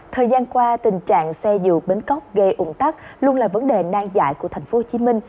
thời gian qua tình trạng xe dự bến cóc gây ủng tắc luôn là vấn đề nang dại của tp hcm